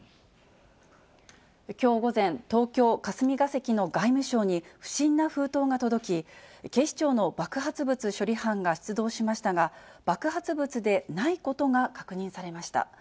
きょう午前、東京・霞が関の外務省に、不審な封筒が届き、警視庁の爆発物処理班が出動しましたが、爆発物でないことが確認されました。